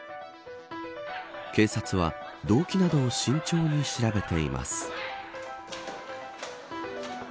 警察は動機などを慎重に調べています。